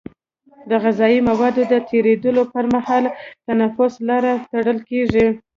د غذایي موادو د تیرېدلو پر مهال تنفسي لاره تړل کېږي.